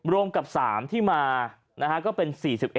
รวมกับ๓ที่มาก็เป็น๔๑